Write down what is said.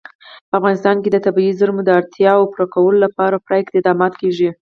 په افغانستان کې د طبیعي زیرمو د اړتیاوو پوره کولو لپاره پوره اقدامات کېږي.